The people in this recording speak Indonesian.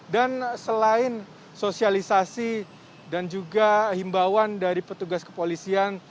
dan selain sosialisasi dan juga himbawan dari petugas kepolisian